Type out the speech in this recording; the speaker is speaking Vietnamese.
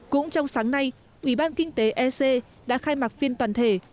cũng trong sáng nay ủy ban kinh tế ec đã khai mạc phiên toàn thể